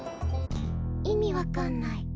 意味分かんない。